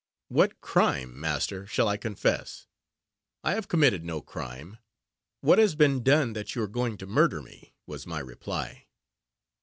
"What crime, master, shall I confess? I have committed no crime what has been done, that you are going to murder me?" was my reply.